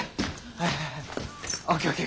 はいはいＯＫＯＫ